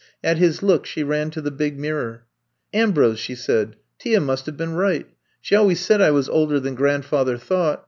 At his look she ran to the big mirror. Ambrose," she said, Tia must have been right. She always said I was older than grandfather thought.